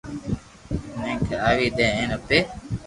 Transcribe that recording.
ني کراوي دي ھين اپي